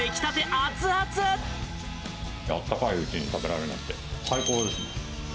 あったかいうちに食べられるなんて最高ですね。